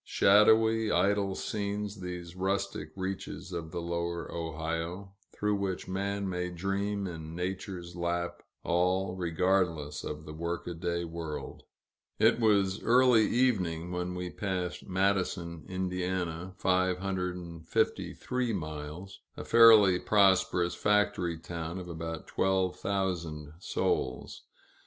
Shadowy, idle scenes, these rustic reaches of the lower Ohio, through which man may dream in Nature's lap, all regardless of the workaday world. It was early evening when we passed Madison, Ind. (553 miles), a fairly prosperous factory town of about twelve thousand souls.